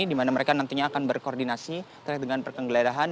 di mana mereka nantinya akan berkoordinasi terkait dengan pergeledahan